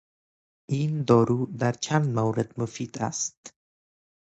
این دارو در چند مورد مفید است.